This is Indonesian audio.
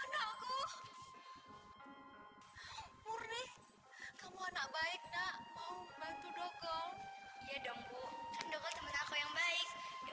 anakku murni kamu anak baik nak mau bantu dogon ya dong bu temen aku yang baik ya